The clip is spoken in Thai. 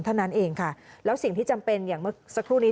เท่านั้นเองค่ะแล้วสิ่งที่จำเป็นอย่างเมื่อสักครู่นี้